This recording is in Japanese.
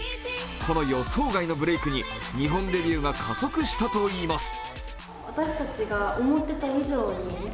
この予想外のブレークに日本デビューが加速したといいます。